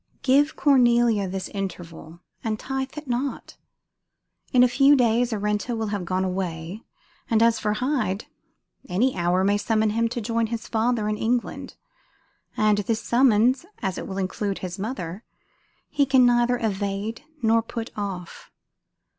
Give Cornelia this interval, and tithe it not; in a few days Arenta will have gone away; and as for Hyde, any hour may summon him to join his father in England; and this summons, as it will include his mother, he can neither evade nor put off.